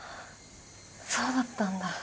そうだったんだ。